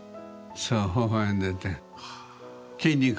そうほほ笑んでて。